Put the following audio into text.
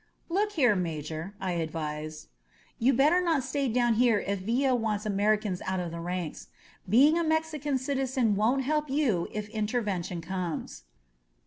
"Look here. Major," I advised, "you'd better not stay down here if Villa wants Americans out of the ranks. Being a Mexican citizen won't help you if In tervention comes."